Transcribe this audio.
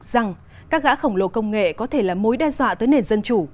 rằng các gã khổng lồ công nghệ có thể là mối đe dọa tới nền dân chủ